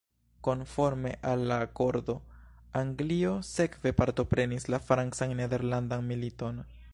Konforme al la akordo, Anglio sekve partoprenis la Francan-Nederlandan militon.